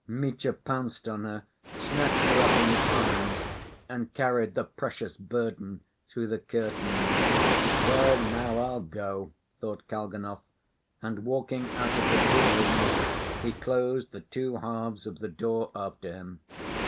Mitya pounced on her, snatched her up in his arms, and carried the precious burden through the curtains. "Well, now I'll go," thought Kalganov, and walking out of the blue room, he closed the two halves of the door after him.